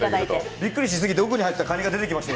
びっくりしすぎて奥に入っていたかにが出てきました。